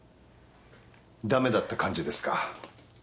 駄目だった感じですか？